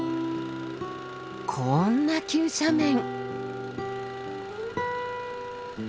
こんな急斜面！